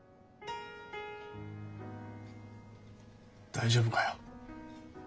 大丈夫かよ？